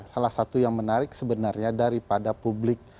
salah satu yang menarik sebenarnya daripada publik